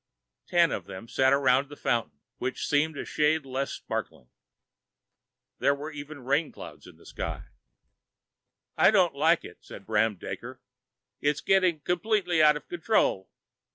The ten of them sat around the fountain, which seemed a shade less sparkling. There were even rainclouds in the sky. "I don't like it," said Bram Daker. "It's getting completely out of control."